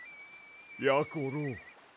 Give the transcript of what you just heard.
やころ。